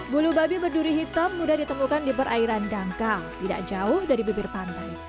bulu babi berduri hitam mudah ditemukan di perairan dangkal tidak jauh dari bibir pantai